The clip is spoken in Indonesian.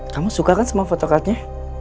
kamu suka kan semua fotocartnya